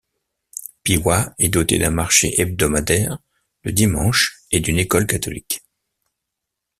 Piwa est doté d'un marché hebdomadaire le dimanche et d'une école catholique.